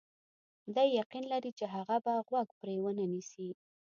دی یقین لري چې هغه به غوږ پرې ونه نیسي.